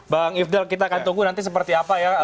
bang ifdal kita akan tunggu nanti seperti apa ya